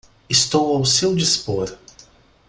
Estou ao seu dispor